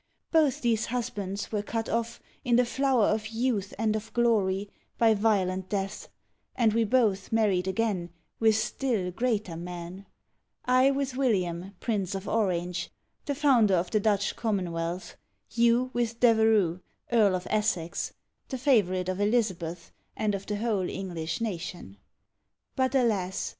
Both these husbands were cut off, in the flower of youth and of glory, by violent deaths, and we both married again with still greater men; I with William Prince of Orange, the founder of the Dutch Commonwealth; you with Devereux Earl of Essex, the favourite of Elizabeth and of the whole English nation. But, alas!